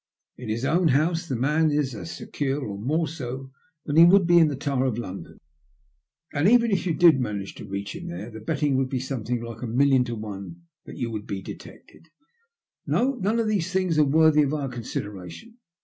In his own house the man is as secure, or more so, than he would be in the Tower of London ; and even if you did manage to reach him there, the betting would be something like a million to one that you would be detected. No; none of these things are worthy of our consideration.